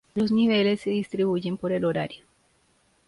Los niveles se distribuyen por el horario.